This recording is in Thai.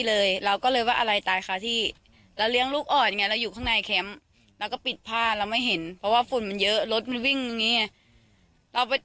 เขาว่าโรคระบะเนี่ยคนที่ตายเนี่ยมีปืน๒กระบอก